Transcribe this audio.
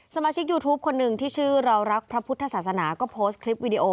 สมาชิกยูทูปคนหนึ่งที่ชื่อเรารักพระพุทธศาสนาก็โพสต์คลิปวิดีโอ